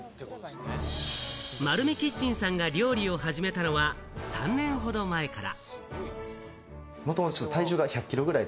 まるみキッチンさんが料理を始めたのは３年ほど前から。